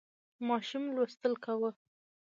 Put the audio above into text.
ماشوم لوستل کاوه.